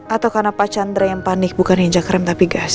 atau karena pak chandra yang panik bukan hijak rem tapi gas